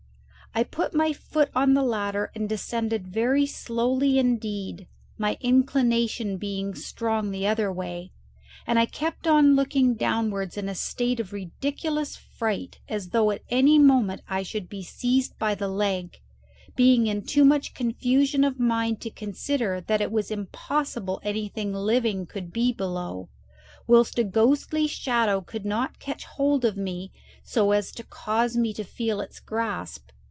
I put my foot on the ladder and descended very slowly indeed, my inclination being strong the other way, and I kept on looking downwards in a state of ridiculous fright as though at any moment I should be seized by the leg; being in too much confusion of mind to consider that it was impossible anything living could be below, whilst a ghostly shadow could not catch hold of me so as to cause me to feel its grasp.